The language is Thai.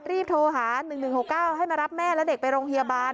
รีบโทรหาหนึ่งหนึ่งหกเก้าให้มารับแม่แล้วเด็กไปโรงพยาบาล